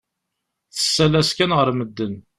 Tessal-as kan ɣer medden.